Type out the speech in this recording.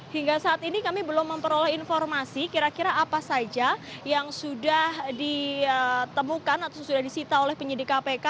hingga saat ini kami belum memperoleh informasi kira kira apa saja yang sudah ditemukan atau sudah disita oleh penyidik kpk